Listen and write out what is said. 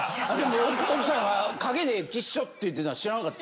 奥さんが陰できっしょって言ってたの知らなかった？